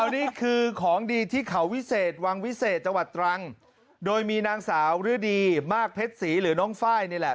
นี่คือของดีที่เขาวิเศษวังวิเศษจังหวัดตรังโดยมีนางสาวฤดีมากเพชรศรีหรือน้องไฟล์นี่แหละ